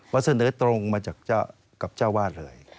เสนอตรงมาจากกับเจ้าวาดเลย